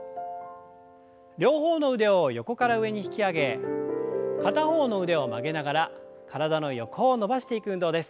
両方の腕を横から上に引き上げ片方の腕を曲げながら体の横を伸ばしていく運動です。